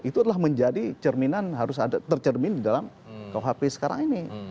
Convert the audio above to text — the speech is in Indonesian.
itu adalah menjadi cerminan harus ada tercermin di dalam kuhp sekarang ini